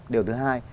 điều thứ hai